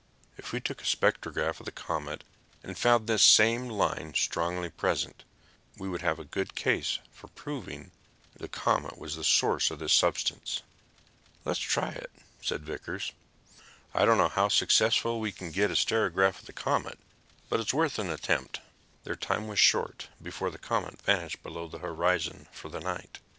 "If we took a spectrograph of the comet and found this same line strongly present, we would have a good case for proving the comet was the source of this substance." "Let's have a try," said Vickers. "I don't know how successfully we can get a spectrograph of the comet, but it's worth an attempt." Their time was short, before the comet vanished below the horizon for the night.